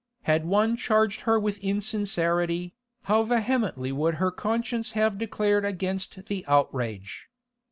Had one charged her with insincerity, how vehemently would her conscience have declared against the outrage!